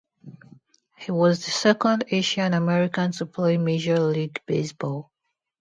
He was the second Asian American to play Major League Baseball.